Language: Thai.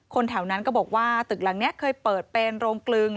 แถวนั้นก็บอกว่าตึกหลังนี้เคยเปิดเป็นโรงกลึง